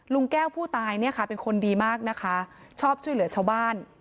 ลุงแก้วผู้ตายเนี่ยค่ะเป็นคนดีมากนะคะชอบช่วยเหลือชาวบ้าน